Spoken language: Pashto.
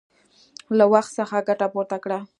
له وخت څخه ګټه پورته کړه!